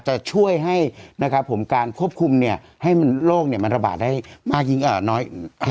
จะช่วยให้การควบคุมโรงแบบนี้มันระบาดได้น้อยลงนะฮะ